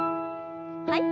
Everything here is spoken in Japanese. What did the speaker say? はい。